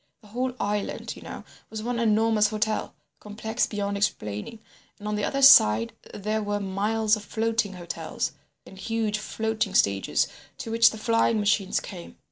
The whole island, you know, was one enormous hotel, complex beyond explaining, and on the other side there were miles of floating hotels, and huge floating stages to which the flying machines came.